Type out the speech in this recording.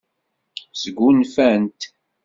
Sgunfant.